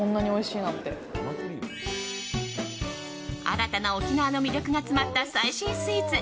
新たな沖縄の魅力が詰まった最新スイーツ。